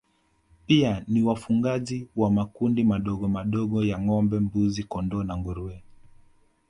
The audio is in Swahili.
Pia ni wafugaji wa makundi madogomadogo ya ngombe mbuzi kondoo na nguruwe